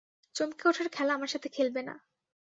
চমকে ওঠার খেলা আমার সাথে খেলবে না।